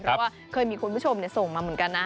เพราะว่าเคยมีคุณผู้ชมส่งมาเหมือนกันนะ